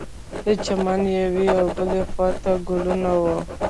د چمن یوې او بلې خوا ته ګلونه وه.